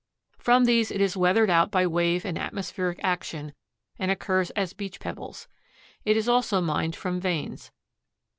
From these it is weathered out by wave and atmospheric action and occurs as beach pebbles. It is also mined from veins.